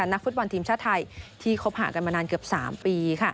นักฟุตบอลทีมชาติไทยที่คบหากันมานานเกือบ๓ปี